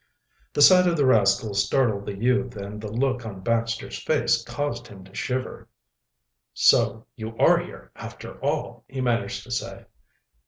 The sight of the rascal startled the youth and the look on Baxter's face caused him to shiver. "So you are here, after all," he managed to say.